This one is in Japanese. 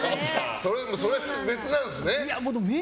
それは別なんですね。